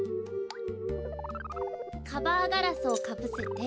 カバーガラスをかぶせて。